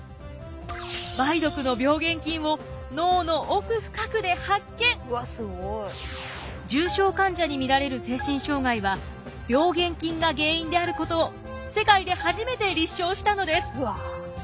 梅毒の重症患者に見られる精神障害は病原菌が原因であることを世界で初めて立証したのです。